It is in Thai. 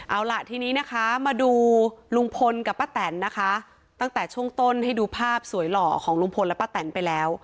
เอาล่ะทีนี้นะคะมาดูลุงพลกับป้าแตนนะคะตั้งแต่ช่วงต้นให้ดูภาพสวยหล่อของลุงพลและป้าแตนไปแล้ว